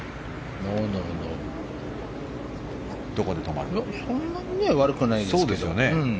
そんなに悪くないですけど。